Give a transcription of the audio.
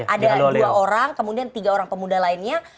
ada dua orang kemudian tiga orang pemuda lainnya